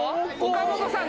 岡本さん